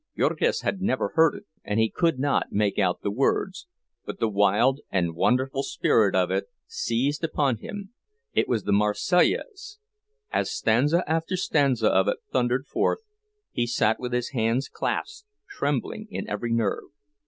Jurgis had never heard it, and he could not make out the words, but the wild and wonderful spirit of it seized upon him—it was the "Marseillaise!" As stanza after stanza of it thundered forth, he sat with his hands clasped, trembling in every nerve.